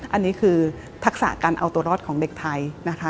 อันนี้คือทักษะการเอาตัวรอดของเด็กไทยนะคะ